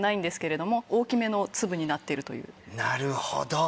なるほど！